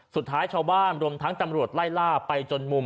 สุดท้ายชาวบ้านรวมทั้งตำรวจไล่ล่าไปจนมุม